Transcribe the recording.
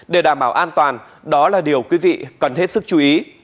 để đảm bảo an toàn đó là điều quý vị cần hết sức chú ý